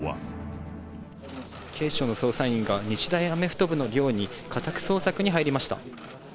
これを受けて、警視庁は。警視庁の捜査員が日大アメフト部の寮に家宅捜索に入りました。